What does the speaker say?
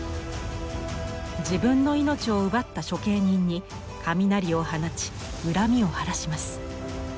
自分の命を奪った処刑人に雷を放ち恨みを晴らします。